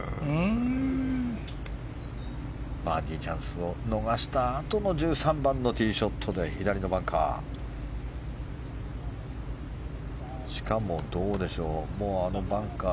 バーディーチャンスを逃したあとの１３番のティーショットで左のバンカー。